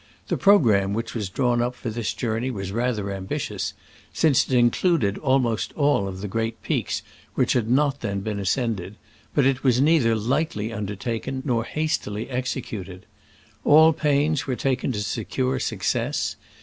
The programme which was drawn up for this journey was rather ambitious, since it included almost all of the great peaks which had not then been ascended, but it was nei ther lightly undertaken nor hastily exe cuted. All pains were taken to secure success.